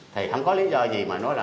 thì không có lý do gì mà nói là